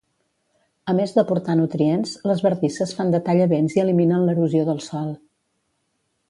A més d'aportar nutrients, les bardisses fan de tallavents i eliminen l'erosió del sòl.